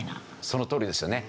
そのとおりですよね。